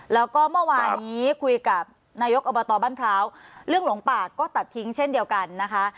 แล้วก็เมื่อวานี้คุยกับนายกอบตบ้านพร้าวเรื่องหลงป่าก็ตัดทิ้งเช่นเดียวกันนะคะ